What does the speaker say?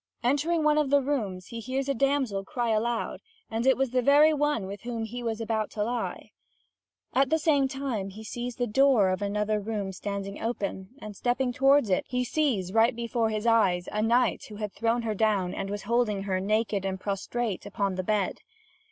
Entering one of the rooms, he hears a damsel cry aloud, and it was the very one with whom he was about to lie. At the same time, he sees the door of another room standing open, and stepping toward it, he sees right before his eyes a knight who had thrown her down, and was holding her naked and prostrate upon the bed.